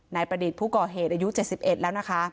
นายประดิษฐ์ผู้ก่อเหตุอายุเจ็ดสิบเอ็ดแล้วนะคะ